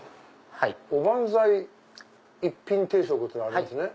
おばんざい１品定食っていうのがありますね。